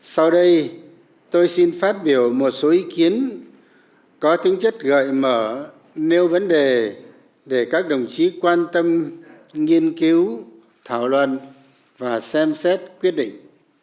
sau đây tôi xin phát biểu một số ý kiến có tính chất gợi mở nếu vấn đề để các đồng chí quan tâm nghiên cứu thảo luận và xem xét quyết định